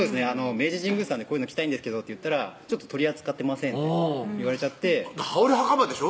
「明治神宮さんでこういうの着たいんですけど」って言ったら「ちょっと取り扱ってません」って言われちゃって羽織はかまでしょ？